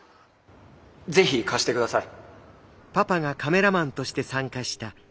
是非貸してください。